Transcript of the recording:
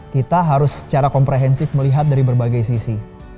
kita harus secara komprehensif melihat dari berbagai sisi